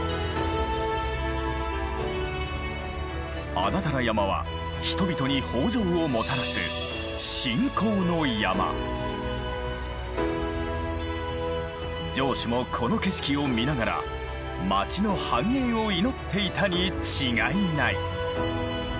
安達太良山は人々に豊じょうをもたらす城主もこの景色を見ながらまちの繁栄を祈っていたに違いない。